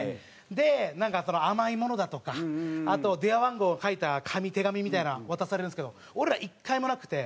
でなんかその甘いものだとかあと電話番号書いた手紙みたいな渡されるんですけど俺ら１回もなくて。